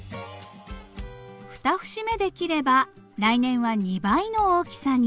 ２節目で切れば来年は２倍の大きさに。